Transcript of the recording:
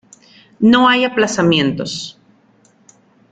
No hay aplazamientos.